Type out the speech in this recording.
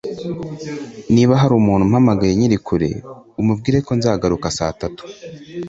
Niba hari umuntu umpamagaye nkiri kure, umubwire ko nzagaruka saa tanu.